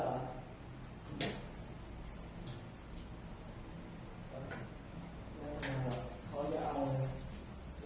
อืม